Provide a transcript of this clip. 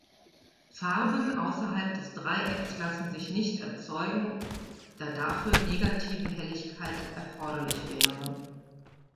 Farben außerhalb des Dreiecks lassen sich nicht erzeugen, da dafür "negative" Helligkeit erforderlich wäre.